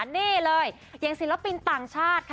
นี่เลยอย่างศิลปินต่างชาติค่ะ